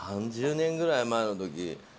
３０年ぐらい前のとき。